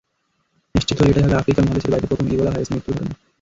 নিশ্চিত হলে এটাই হবে আফ্রিকা মহাদেশের বাইরে প্রথম ইবোলা ভাইরাসে মৃত্যুর ঘটনা।